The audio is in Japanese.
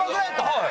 はい。